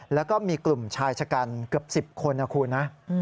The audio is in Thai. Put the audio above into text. แล้วก็มีกลุ่มชายชะกันเกือบ๑๐คนนะคุณนะ